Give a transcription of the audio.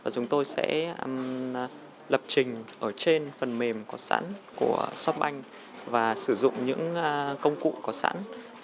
chúng tôi sẽ lập trình ở trên phần mềm có sẵn của shopbank và sử dụng những công cụ có sẵn